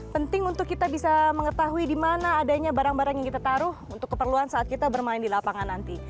penting untuk kita bisa mengetahui di mana adanya barang barang yang kita taruh untuk keperluan saat kita bermain di lapangan nanti